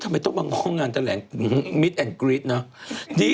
ทำไมต้องมางอกเงินแจ่งมิดอะน์กลิ้ดเนอะ